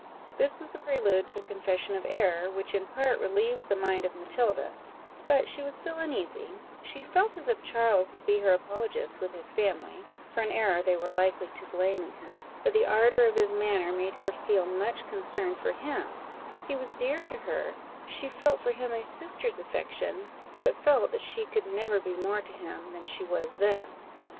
This was the prelude to a confession of error, which in part relieved the mind of Matilda: but she was still uneasy she felt as if Charles would be her apologist with his family, for an error they were likely to blame in her; but the ardour of his manner made her feel much concerned for him he was dear to her she felt for him a sister's affection, but felt that she could never be more to him than she was then.